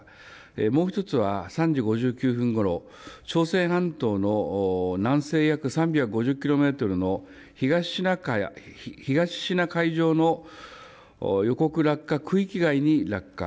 もう１つは３時５９分ごろ、朝鮮半島の南西約３５０キロメートルの東シナ海上の予告落下区域外に落下。